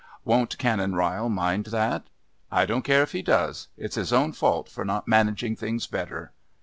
"Won't Canon Ryle mind that?" "I don't care if he does. It's his own fault, for not managing things better."